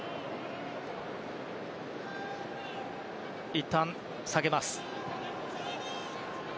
いったん下げます。